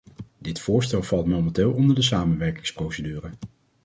Dit voorstel valt momenteel onder de samenwerkingsprocedure.